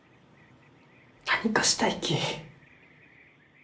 何かしたいき。